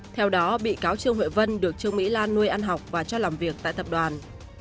theo đó bị cáo trương huệ vân được trương mỹ lan nuôi ăn học và cho làm việc tại tập đoàn